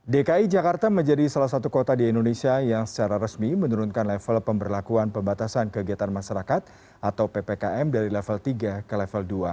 dki jakarta menjadi salah satu kota di indonesia yang secara resmi menurunkan level pemberlakuan pembatasan kegiatan masyarakat atau ppkm dari level tiga ke level dua